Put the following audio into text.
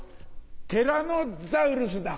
テラノザウルスだ。